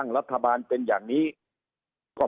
สุดท้ายก็ต้านไม่อยู่